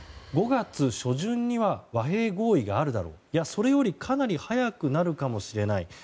５月初旬には和平合意があるだろういや、それよりかなり早くなるかもしれない。